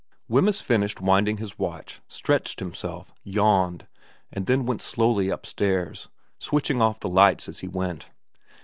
Wemyss finished winding his watch, stretched him self, yawned, and then went slowly upstairs, switching off the lights as he went.